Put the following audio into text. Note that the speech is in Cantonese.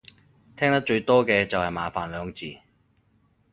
聽得最多嘅就係麻煩兩字